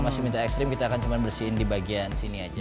masih minta ekstrim kita akan cuma bersihin di bagian sini aja